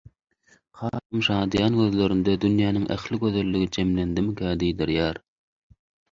Hasam şadyýan gözlerinde dünýäniň ähli gözelligi jemlendimkä diýdirýär.